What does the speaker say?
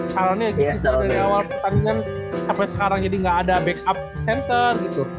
saroni lagi citar dari awal pertandingan sampai sekarang jadi gak ada back up center gitu